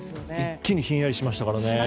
一気にひんやりしましたからね。